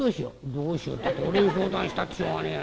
「どうしようったって俺に相談したってしょうがねえやな。